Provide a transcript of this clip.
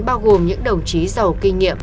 bao gồm những đồng chí giàu kinh nghiệm